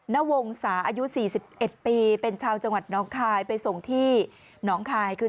นวงศาอายุ๔๑ปีเป็นชาวจังหวัดน้องคายไปส่งที่หนองคายคือ